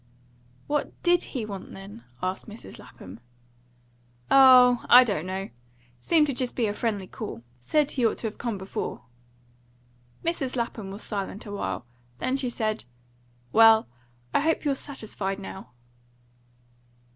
"What DID he want, then?" asked Mrs. Lapham. "Oh, I don't know. Seemed to be just a friendly call. Said he ought to have come before." Mrs. Lapham was silent a while. Then she said: "Well, I hope you're satisfied now."